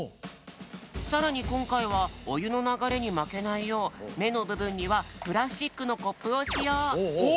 さらにこんかいはおゆのながれにまけないようめのぶぶんにはプラスチックのコップをしよう。